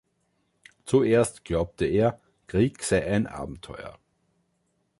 Zuerst glaubte er, Krieg sei ein Abenteuer.